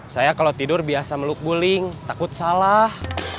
saya kalau tidur biasa meluk guling takut salah